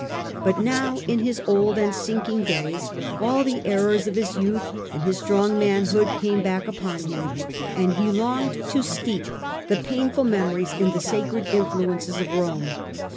But now in his old and sinking days all the errors of his youth and his strong manhood came back upon him, and he longed to steep the painful memories in the sacred influences of Rome.